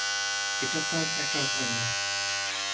এটা তার একার হয় না।